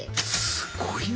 すごいな。